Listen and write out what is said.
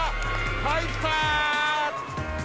入ったー。